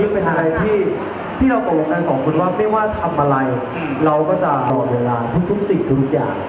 เป็นทางที่ที่เราตกลงกันสองคุณว่าไม่ว่าทำอะไรเราก็จะรอเวลาทุกสิ่งทุกอย่าง